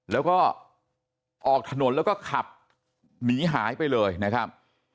แล้วก็ออกถนนแล้วก็ขับหนีหายไปเลยนะครับ